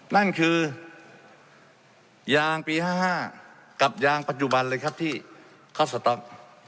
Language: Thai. นั่นคือยางปี๕๕กับยางปัจจุบันเลยครับที่เขาสต๊อก